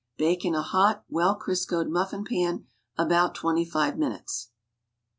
Bake in a hot well Criscoed muSnn pan about twenty five minutes.